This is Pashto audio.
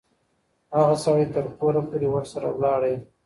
هغه سړی تر کوره پوري ورسره ولاړی.